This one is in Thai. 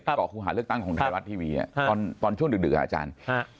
เกาะครูหาเลือกตั้งของไทยรัฐทีวีตอนช่วงดึกอาจารย์